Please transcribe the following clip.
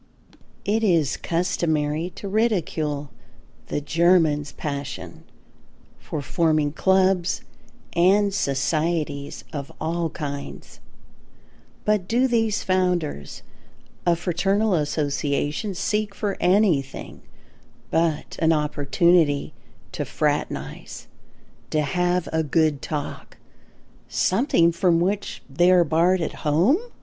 It is customary to ridicule the Germans' passion for forming clubs, and societies of all kinds. But do these founders of fraternal associations seek for anything but an opportunity to fraternise, to have a good talk, something from which they are barred at home?